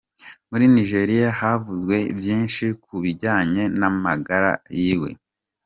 Muri Nigeria havuzwe vyinshi ku bijanye n;amagara yiwe.